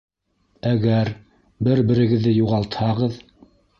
Әгәр бер-берегеҙҙе юғалтһағыҙ!..